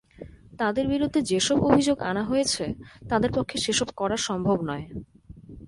তাঁদের বিরুদ্ধে যেসব অভিযোগ আনা হয়েছে, তাঁদের পক্ষে সেসব করা সম্ভব নয়।